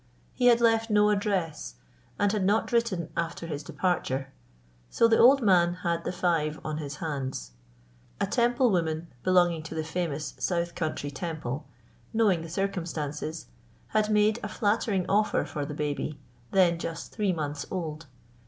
He had left no address, and had not written after his departure. So the old man had the five on his hands. A Temple woman belonging to a famous South country Temple, knowing the circumstances, had made a flattering offer for the baby, then just three months old.